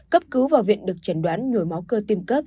cấp cứu vào viện được chẩn đoán nhồi máu cơ tim cấp